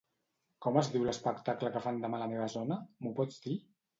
Com es diu l'espectacle que fan demà a la meva zona, m'ho pots dir?